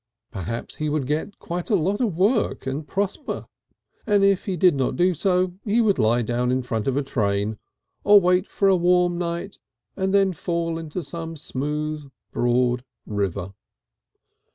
Perhaps he would get quite a lot of work and prosper, and if he did not do so he would lie down in front of a train, or wait for a warm night, and then fall into some smooth, broad river.